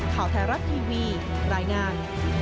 ข่าวไทยรัฐทีวีรายงาน